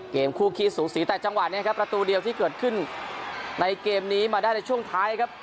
เกมคู่ขี้สูสีแต่จังหวะนี้ครับประตูเดียวที่เกิดขึ้นในเกมนี้มาได้ในช่วงท้ายครับ